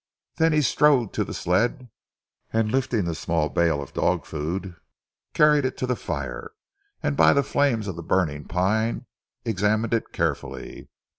Then he strode to the sled, and lifting the small bale of dog food carried it to the fire, and by the flames of the burning pine examined it carefully.